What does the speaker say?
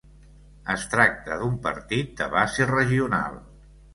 Es tracta d'un partit de base regional.